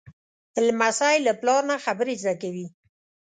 لمسی له پلار نه خبرې زده کوي.